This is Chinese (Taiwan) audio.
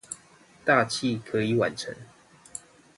大器可以晚成